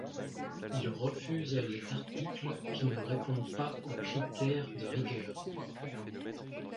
Ils refusent les articles qui ne répondent pas aux critères de rigueur.